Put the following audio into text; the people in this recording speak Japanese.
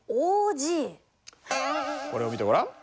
これを見てごらん。